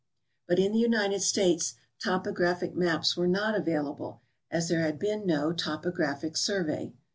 But in the United States topographic maps were not available, as there had been no topographic survey.